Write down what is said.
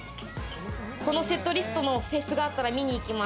このセットリストのフェスがあったら、見に行きます。